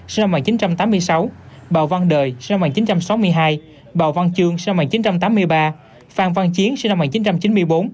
sinh năm một nghìn chín trăm tám mươi sáu bào văn đời sinh năm một nghìn chín trăm sáu mươi hai bào văn chương sinh năm một nghìn chín trăm tám mươi ba phan văn chiến sinh năm một nghìn chín trăm chín mươi bốn